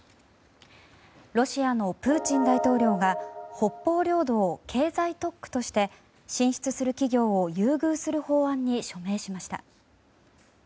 ロシアのプーチン大統領が北方領土を経済特区として進出する企業を優遇する法案に署名しました。